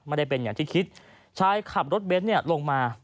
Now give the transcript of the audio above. ไม่ได้เป็นอย่างที่คิดชายขับรถเบนท์เนี่ยลงมา